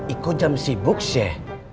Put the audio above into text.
ikut jam sibuk shek